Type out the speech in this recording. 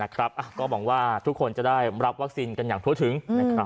ก็หวังว่าทุกคนจะได้รับวัคซีนกันอย่างทั่วถึง